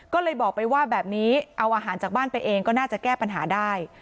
ก็เลยบอกไปว่าแบบนี้เอาอาหารจากบ้านไปเองก็น่าจะแก้ปัญหาได้